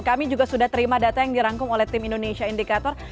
kami juga sudah terima data yang dirangkum oleh tim indonesia indikator